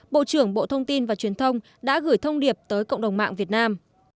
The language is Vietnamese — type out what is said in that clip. bộ trưởng bộ thông tin và truyền thông đã gửi thông điệp tới cộng đồng mạng việt nam